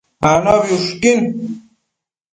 Anobi ushquin